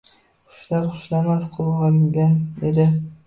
Xushlar-xushlamas qo‘zg‘algan edi.